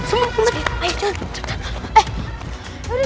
cepetan ayo jalan